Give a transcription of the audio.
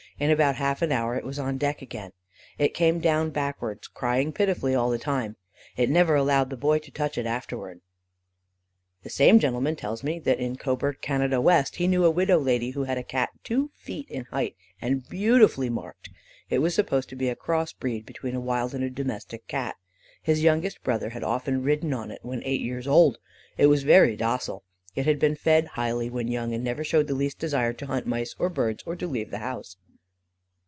In about half an hour it was on deck again. It came down backwards, crying pitifully all the time. It never allowed the boy to touch it afterwards." The same gentleman tells me that in Coburg, Canada West, he knew a widow lady who had a Cat two feet in height, and beautifully marked. It was supposed to be a cross breed between a wild and a domestic Cat. His youngest brother has often ridden on it when eight years old. It was very docile. It had been fed highly when young, and never showed the least desire to hunt mice or birds, or to leave the house.